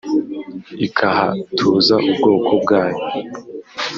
Ikahatuza ubwoko bwayo